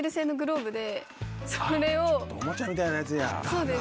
そうです。